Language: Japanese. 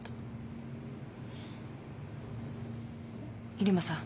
入間さん。